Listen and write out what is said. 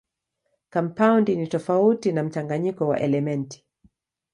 Kampaundi ni tofauti na mchanganyiko wa elementi.